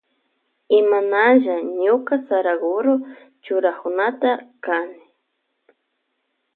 Imanalla ñuka Saraguro churakunata kani.